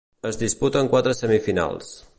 Es disputen quatre semifinals.